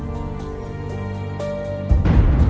โปรดติดตามต่อไป